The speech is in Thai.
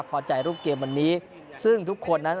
พอใจรูปเกมวันนี้ซึ่งทุกคนนั้น